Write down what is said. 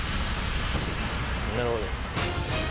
なるほど。